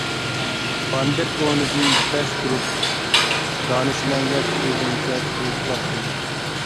باندىت ئورنىدىن دەس تۇرۇپ دانىشمەنگە تىكىلگىنىچە تۇرۇپلا قالدى.